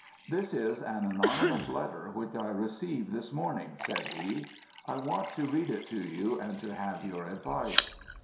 "This is an anonymous letter which I received this morning," said he. "I want to read it to you and to have your advice."